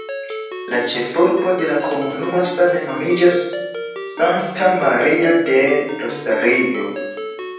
La ĉefurbo de la komunumo same nomiĝas "Santa Maria del Rosario".